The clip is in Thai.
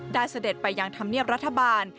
เสด็จไปยังธรรมเนียบรัฐบาล